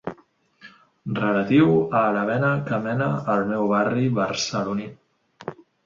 Relatiu a la vena que mena al meu barri barceloní.